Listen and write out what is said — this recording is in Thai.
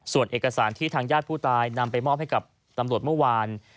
ส่วนเอกสารที่ทางญาติผู้ตายนำไปมอบให้กับตำรวจเมื่อวาน